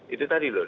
itu tadi loh